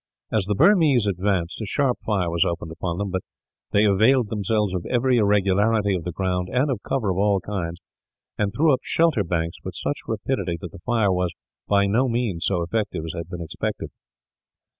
As the Burmese advanced, a sharp fire was opened upon them; but they availed themselves of every irregularity of the ground, and of cover of all kinds, and threw up shelter banks with such rapidity that the fire was, by no means, so effective as had been expected.